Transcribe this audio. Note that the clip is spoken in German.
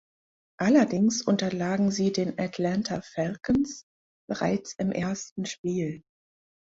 Allerdings unterlagen sie den Atlanta Falcons bereits im ersten Spiel.